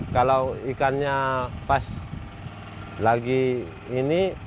kalau ikannya pas lagi ini